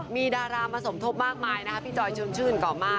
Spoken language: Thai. มีดารามาสมทบมากมายนะคะพี่จอยชวนชื่นก่อมา